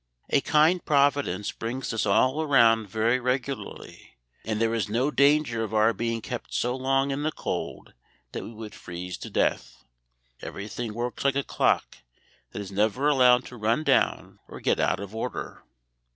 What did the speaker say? "A kind Providence brings this all around very regularly, and there is no danger of our being kept so long in the cold that we would freeze to death. Everything works like a clock that is never allowed to run down or get out of order.